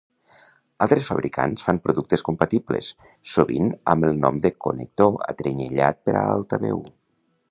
Altres fabricants fan productes compatibles, sovint amb el nom de connector atrenyellat per a altaveu.